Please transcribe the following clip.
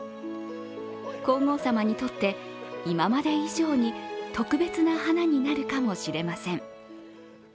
皇后さまにとって、今まで以上に特別な花になるかもしれません。